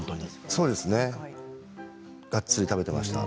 そうですねがっつり食べていました。